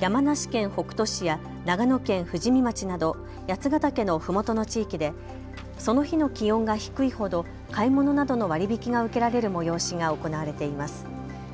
山梨県北杜市や長野県富士見町など八ヶ岳のふもとの地域でその日の気温が低いほど買い物などの割り引きが受けられる催しが行われています。